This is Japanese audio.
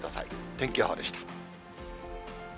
天気予報でした。